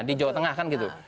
di jawa tengah kan gitu